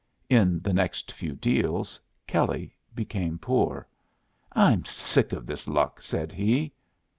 In the next few deals Kelley became poor. "I'm sick of this luck," said he.